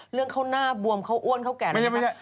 เรื่องเขาหน้าบวมเขาอ้วนเขาแก่อะไรนะครับ